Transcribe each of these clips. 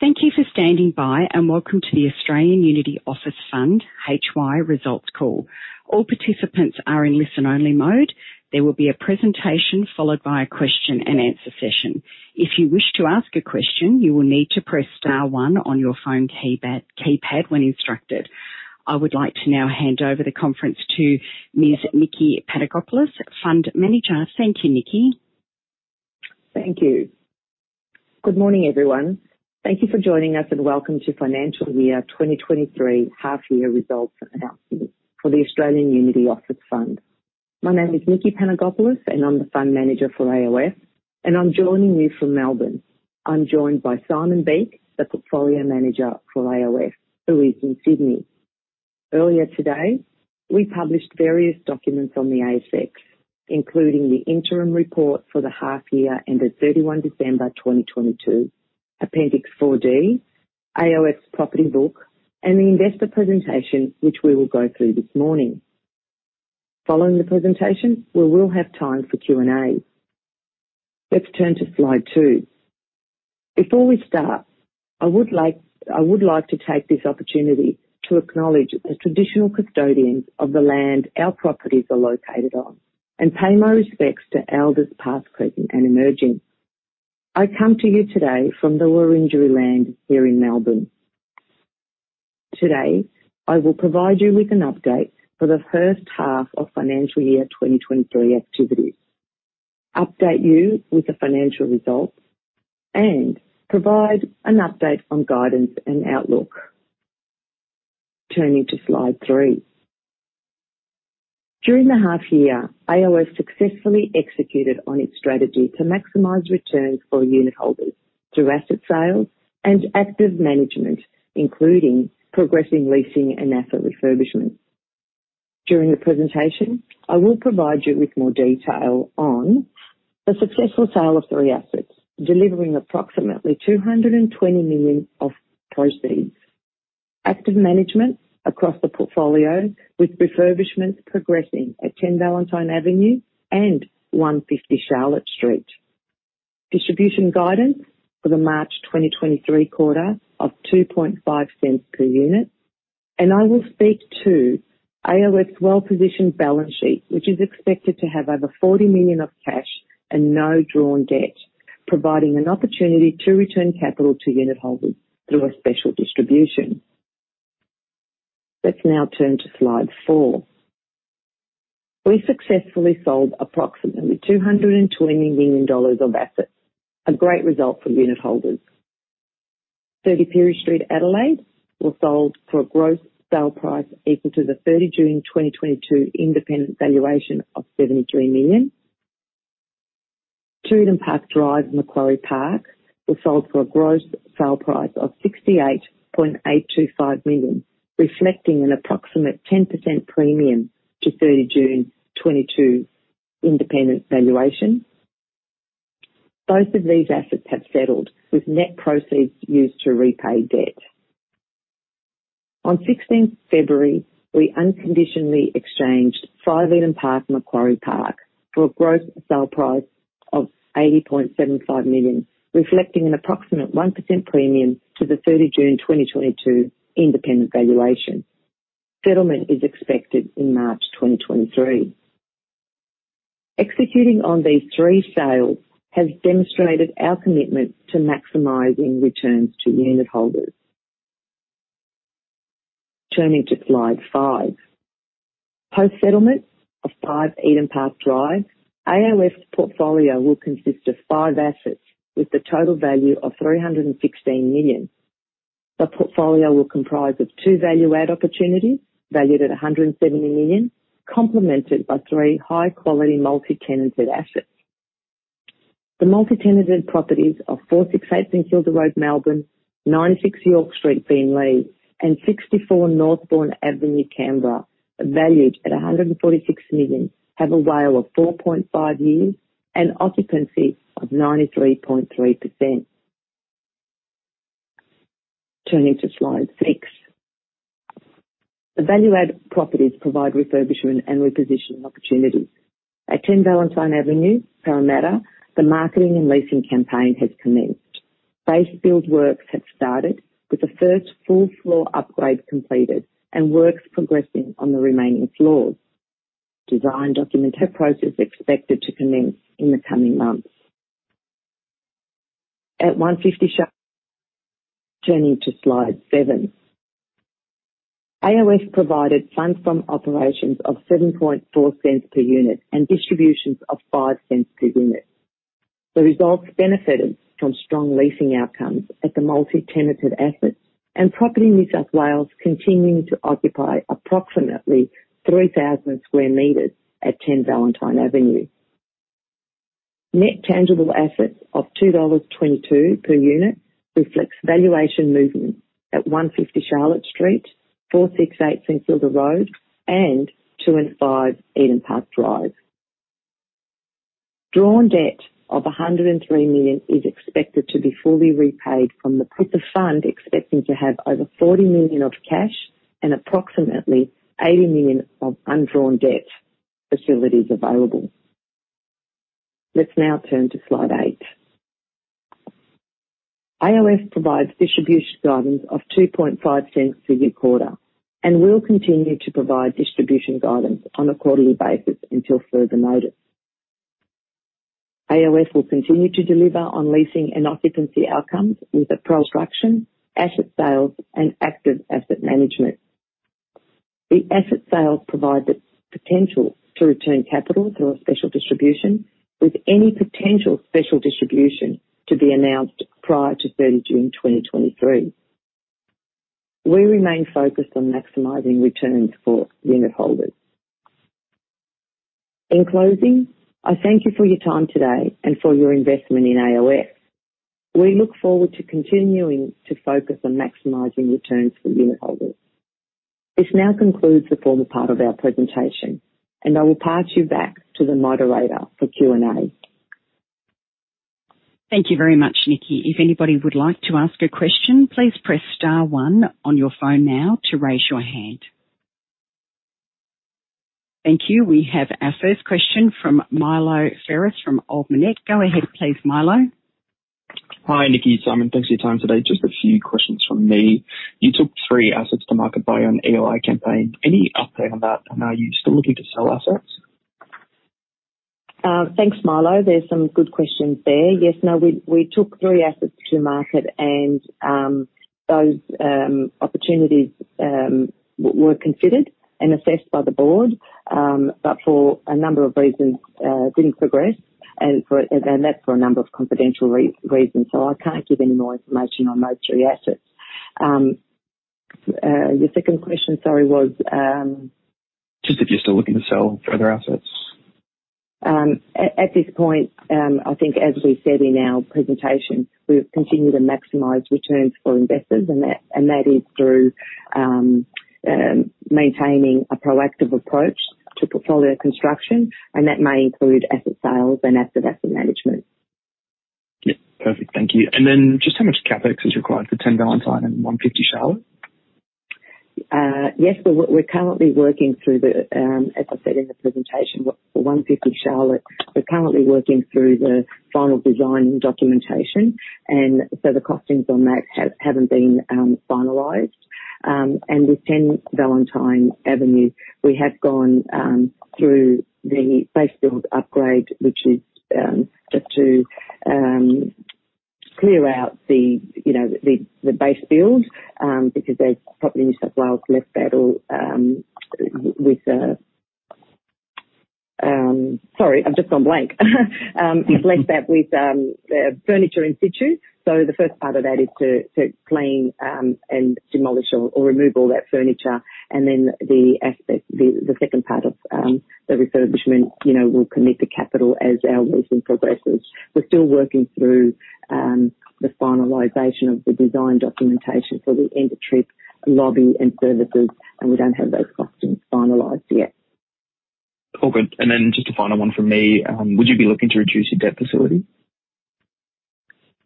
Thank you for standing by. Welcome to the Australian Unity Office Fund HY results call. All participants are in listen only mode. There will be a presentation followed by a question and answer session. If you wish to ask a question, you will need to press star one on your phone keypad when instructed. I would like to now hand over the conference to Ms. Nikki Panagopoulos, Fund Manager. Thank you, Nikki. Thank you. Good morning, everyone. Thank you for joining us and welcome to financial year 2023 half year results announcement for the Australian Unity Office Fund. My name is Nikki Panagopoulos, and I'm the fund manager for AOF, and I'm joining you from Melbourne. I'm joined by Simon Beake, the portfolio manager for AOF, who is in Sydney. Earlier today, we published various documents on the ASX, including the interim report for the half year ended December 31 2022, Appendix 4D, AOF property book, and the investor presentation, which we will go through this morning. Following the presentation, we will have time for Q&A. Let's turn to slide two. Before we start, I would like to take this opportunity to acknowledge the traditional custodians of the land our properties are located on and pay my respects to elders, past, present, and emerging. I come to you today from the Wurundjeri land here in Melbourne. Today, I will provide you with an update for the H1 of financial year 2023 activities, update you with the financial results, and provide an update on guidance and outlook. Turning to slide three. During the half year, AOF successfully executed on its strategy to maximize returns for unitholders through asset sales and active management, including progressing leasing and asset refurbishment. During the presentation, I will provide you with more detail on the successful sale of three assets, delivering approximately 220 million of proceeds. Active management across the portfolio, with refurbishments progressing at 10 Valentine Avenue and 150 Charlotte Street. Distribution guidance for the March 2023 quarter of 0.025 per unit. I will speak to AOF's well-positioned balance sheet, which is expected to have over 40 million of cash and no drawn debt, providing an opportunity to return capital to unitholders through a special distribution. Let's now turn to slide four. We successfully sold approximately 220 million dollars of assets. A great result for unitholders. 30 Pirie Street, Adelaide, was sold for a gross sale price equal to the June 30 2022 independent valuation of 73 million. Two Eden Park Drive, Macquarie Park, was sold for a gross sale price of 68.825 million, reflecting an approximate 10% premium to June 30 2022 independent valuation. Both of these assets have settled, with net proceeds used to repay debt. On 16th February, we unconditionally exchanged five Eden Park, Macquarie Park, for a gross sale price of 80.75 million, reflecting an approximate 1% premium to the June 30 2022 independent valuation. Settlement is expected in March 2023. Executing on these three sales has demonstrated our commitment to maximizing returns to unitholders. Turning to slide five. Post-settlement of five Eden Park Drive, AOF's portfolio will consist of five assets with a total value of 316 million. The portfolio will comprise of two value-add opportunities, valued at 170 million, complemented by three high-quality multi-tenanted assets. The multi-tenanted properties are 468 St Kilda Road, Melbourne, 96 York Street, Beenleigh, and 64 Northbourne Avenue, Canberra. Valued at 146 million, have a WHALE of 4.5 years and occupancy of 93.3%. Turning to slide six. The value add properties provide refurbishment and repositioning opportunities. At 10 Valentine Avenue, Parramatta, the marketing and leasing campaign has commenced. Base build works have started, with the first full floor upgrade completed and works progressing on the remaining floors. Design document have process expected to commence in the coming months. Turning to slide seven. AOF provided Funds from Operations of 0.074 per unit and distributions of 0.05 per unit. The results benefited from strong leasing outcomes at the multi-tenanted assets and Property New South Wales continuing to occupy approximately 3,000 square meters at 10 Valentine Avenue. Net tangible assets of 2.22 dollars per unit reflects valuation movement at 150 Charlotte Street, 468 St Kilda Road, and two and five Eden Park Drive. Drawn debt of 103 million is expected to be fully repaid. With the fund expecting to have over 40 million of cash and approximately 80 million of undrawn debt facilities available. Let's now turn to slide eight. AOF provides distribution guidance of 0.025 per quarter and will continue to provide distribution guidance on a quarterly basis until further notice. AOF will continue to deliver on leasing and occupancy outcomes with the pro-construction, asset sales and active asset management. The asset sales provide the potential to return capital through a special distribution, with any potential special distribution to be announced prior to June 30 2023. We remain focused on maximizing returns for unitholders. In closing, I thank you for your time today and for your investment in AOF. We look forward to continuing to focus on maximizing returns for unitholders. This now concludes the formal part of our presentation. I will pass you back to the moderator for Q&A. Thank you very much, Nikki. If anybody would like to ask a question, please press star one on your phone now to raise your hand. Thank you. We have our first question from Milo Ferris from Ord Minnett. Go ahead, please, Milo. Hi, Nikki, Simon. Thanks for your time today. Just a few questions from me. You took three assets to market by an EOI campaign. Any update on that? Are you still looking to sell assets? Thanks, Milo. There's some good questions there. Yes. No, we took three assets to market and those opportunities were considered and assessed by the board, for a number of reasons, didn't progress and that's for a number of confidential reasons. I can't give any more information on those three assets. Your second question, sorry, was... Just if you're still looking to sell further assets. At this point, I think as we said in our presentation, we continue to maximize returns for investors and that is through maintaining a proactive approach to portfolio construction, and that may include asset sales and active asset management. Yeah. Perfect. Thank you. How much CapEx is required for 10 Valentine and 150 Charlotte? Yes, we're currently working through the, as I said in the presentation, 150 Charlotte. We're currently working through the final design documentation. The costings on that haven't been finalized. With 10 Valentine Avenue, we have gone through the base build upgrade, which is just to clear out the, you know, the base build, because they've probably New South Wales left that or with... Sorry, I've just gone blank. Left that with the furniture in situ. The first part of that is to clean and demolish or remove all that furniture, and then the second part of the refurbishment, you know, we'll commit the capital as our leasing progresses. We're still working through the finalization of the design documentation for the entry lobby and services, and we don't have those costings finalized yet. All good. Just a final one from me. Would you be looking to reduce your debt facility?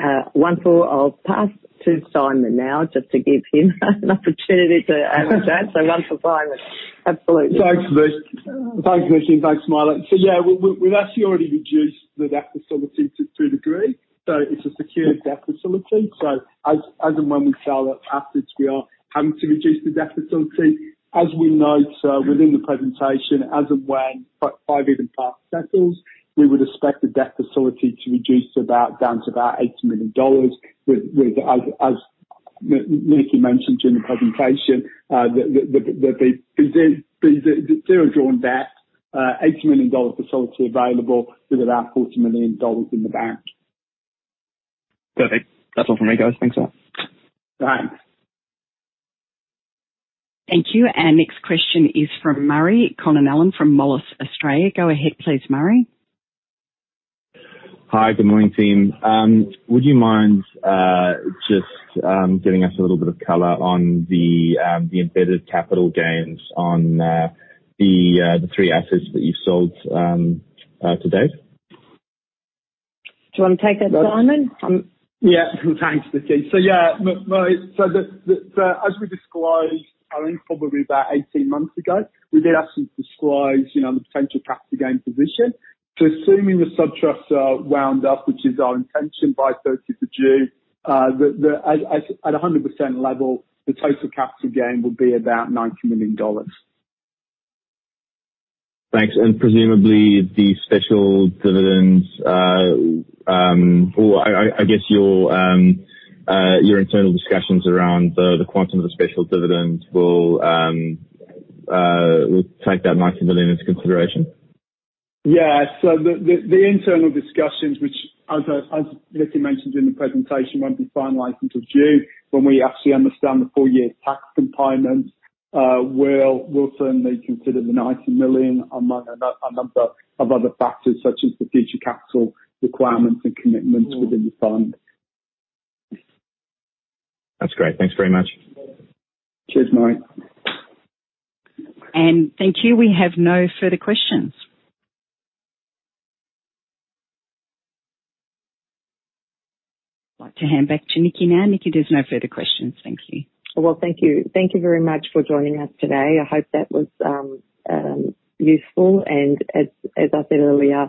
I'll pass to Simon now just to give him an opportunity to answer that. One for Simon. Absolutely. Thanks, Nic. Thanks, Nikki. Thanks, Milo. Yeah, we've actually already reduced the debt facility to a degree, it's a secured debt facility. As and when we sell assets, we are having to reduce the debt facility. As we note within the presentation, as of when five Eden Park settles, we would expect the debt facility to reduce to about, down to about 80 million dollars with as Nikki mentioned during the presentation, the zero drawn debt, 80 million dollars facility available with about 40 million dollars in the bank. Perfect. That's all from me, guys. Thanks a lot. All right. Thank you. Our next question is from Murray Connellan from Moelis Australia. Go ahead, please, Murray. Hi. Good morning, team. Would you mind, just, giving us a little bit of color on the embedded capital gains on the three assets that you've sold to date? Do you want to take that, Simon? Yeah. Thanks, Nikki. Yeah, Murray, the as we disclosed, I think probably about 18 months ago, we did actually describe, you know, the potential capital gain position. Assuming the sub-trusts are wound up, which is our intention by 13th of June, the at a 100% level, the total capital gain would be about AUD 90 million. Thanks. Presumably the special dividends, or I guess your internal discussions around the quantum of the special dividend will take that AUD 90 million into consideration. Yeah. The internal discussions which as Nikki mentioned in the presentation, won't be finalized until June when we actually understand the full year tax compliance, we'll certainly consider the 90 million among a number of other factors, such as the future capital requirements and commitments within the fund. That's great. Thanks very much. Cheers, Murray. Thank you. We have no further questions. I'd like to hand back to Nikki now. Nikki, there's no further questions. Thank you. Well, thank you. Thank you very much for joining us today. I hope that was useful. As I said earlier,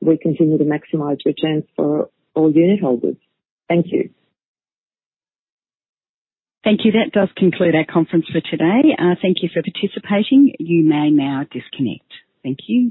we continue to maximize returns for all unit holders. Thank you. Thank you. That does conclude our conference for today. Thank you for participating. You may now disconnect. Thank you.